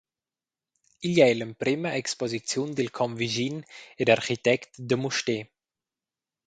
Igl ei l’emprema exposiziun dil convischin ed architect da Mustér.